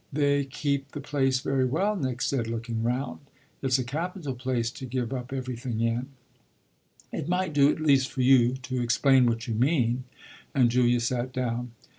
"They keep the place very well," Nick said, looking round. "It's a capital place to give up everything in." "It might do at least for you to explain what you mean." And Julia sat down.